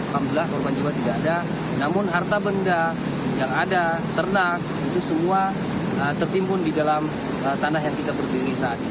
alhamdulillah korban jiwa tidak ada namun harta benda yang ada ternak itu semua tertimbun di dalam tanah yang kita berdiri saat ini